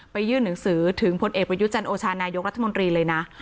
ยื่นหนังสือถึงพลเอกประยุจันโอชานายกรัฐมนตรีเลยนะ